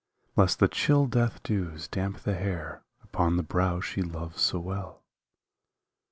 Lest the chill death dews damp the hair Upon the brow she loves so well.